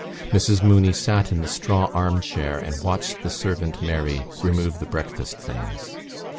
Mrs Mooney sat in the straw arm chair and watched the servant Mary remove the breakfast things.